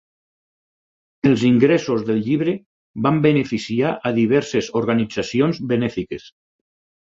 Els ingressos del llibre van beneficiar a diverses organitzacions benèfiques.